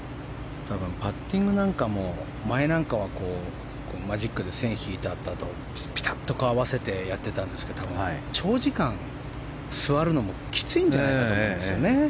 パッティングなんかも前なんかはマジックで線を引いてあってピタッと顔を合わせてやってたんですけど多分、長時間座るのもきついんじゃないかと思うんですよね。